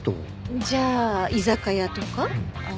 じゃあ居酒屋とか？